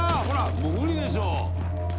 もう無理でしょ！